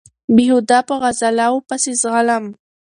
بېهوده په غزاله وو پسې ځغلم